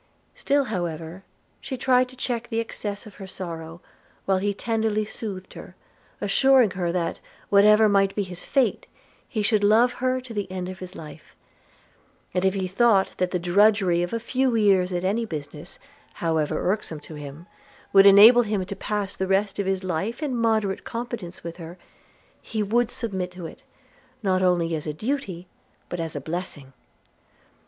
Still, however, she tried to check the excess of her sorrow, while he tenderly soothed her, assuring her that, whatever might be his fate, he should love her to the end of his life; and if he thought that the drudgery of a few years at any business, however irksome to him, would enable him to pass the rest of his life in moderate competence with her, he would submit to it, not only as a duty, but as a blessing.